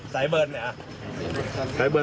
สายเบิร์นเนี่ย